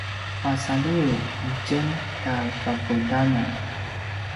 pasaliw i tjen ta kakudanan